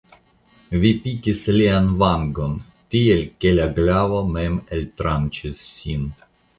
Vi pikis lian vangon, tiel ke la glavo mem eltranĉis sin.